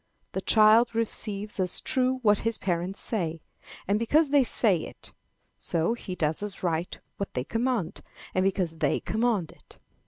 The child receives as true what his parents say, and because they say it; so, he does as right what they command, and because they command it.